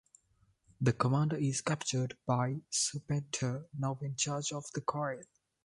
The Commander is captured by Serpentor, now in charge of the Coil.